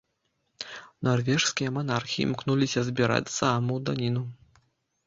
Нарвежскія манархі імкнуліся збіраць з саамаў даніну.